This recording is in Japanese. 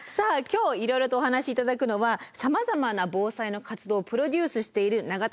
今日いろいろとお話し頂くのはさまざまな防災の活動をプロデュースしている永田宏和さんです。